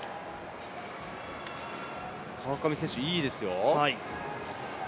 川上選手、いいですよ。